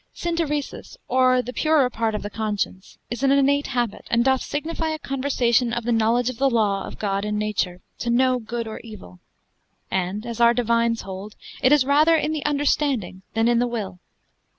Synteresis, or the purer part of the conscience, is an innate habit, and doth signify a conversation of the knowledge of the law of God and Nature, to know good or evil. And (as our divines hold) it is rather in the understanding than in the will.